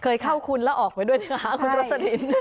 เคยเข้าคุณแล้วออกไปด้วยนะคะคุณรสลิน